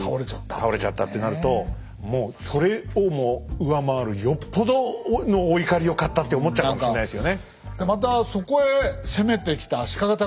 倒れちゃったってなるともうそれをも上回るよっぽどのお怒りを買ったって思っちゃうかもしんないですよね。